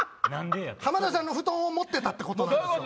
浜田さんの布団を持ってた！ってことなんですよ。